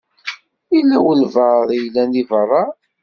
Yella walebɛaḍ i yellan di beṛṛa.